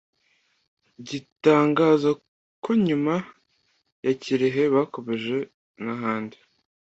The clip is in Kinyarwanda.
gitangaza ko nyuma ya Kirehe bakomereje nahandi